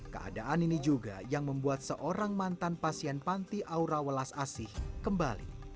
keadaan ini juga yang membuat seorang mantan pasien panti aura welas asih kembali